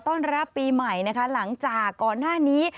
ต้อนรับปีใหม่นะคะหลังจากก่อนหน้านี้